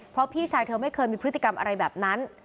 เพราะพี่ชายเธอไม่เคยมีพฤติกรรมอะไรแบบนั้น